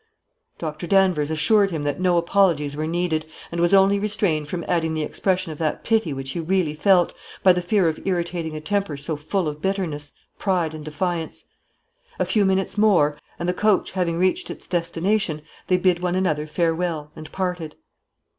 Doctor Danvers assured him that no apologies were needed, and was only restrained from adding the expression of that pity which he really felt, by the fear of irritating a temper so full of bitterness, pride and defiance. A few minutes more, and the coach having reached its destination, they bid one another farewell, and parted.